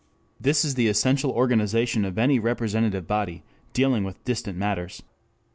This is the essential organization of any representative body dealing with distant matters.